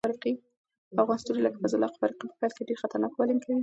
افغان ستوري لکه فضل الحق فاروقي په پیل کې ډېر خطرناک بالینګ کوي.